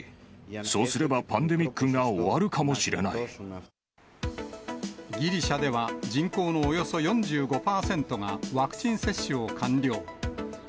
そうすれば、パンデミックが終わギリシャでは、人口のおよそ４５％がワクチン接種を完了。